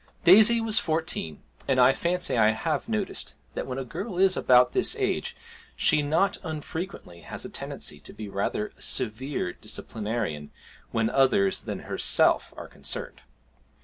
Daisy was fourteen, and I fancy I have noticed that when a girl is about this age, she not unfrequently has a tendency to be rather a severe disciplinarian when others than herself are concerned.